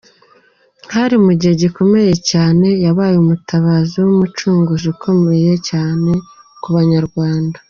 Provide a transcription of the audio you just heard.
Hari mu gihe gikomeye cyane, yabaye Umutabazi w’Umucunguzi ukomeye cyane ku Banyarwanda.